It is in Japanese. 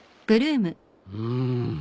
うん。